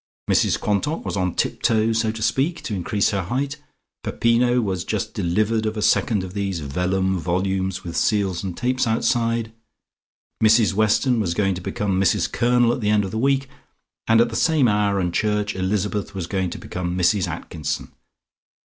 Mrs Quantock was on tip toe, so to speak, to increase her height, Peppino was just delivered of a second of these vellum volumes with seals and tapes outside, Mrs Weston was going to become Mrs Colonel at the end of the week, and at the same hour and church Elizabeth was going to become Mrs Atkinson.